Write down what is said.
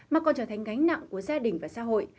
mà còn trở thành gánh nặng của gia đình và xã hội